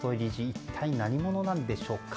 一体何者なんでしょうか。